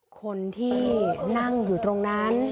คนที่นั่งอยู่ตรงนั้น